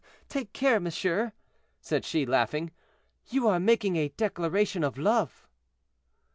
"Take care, monsieur," said she, laughing, "you are making a declaration of love."